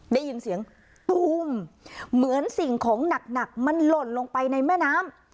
ได้ยินเสียงตูมเหมือนสิ่งของหนักมันหล่นลงไปในแม่น้ำ